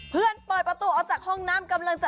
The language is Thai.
เปิดประตูออกจากห้องน้ำกำลังจะ